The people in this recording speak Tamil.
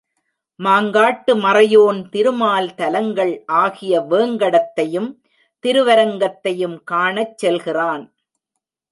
மாங்காட்டு மறையோன் திருமால் தலங்கள் ஆகிய வேங்கடத்தையும் திருவரங்கத்தையும் காணச் செல்கிறான்.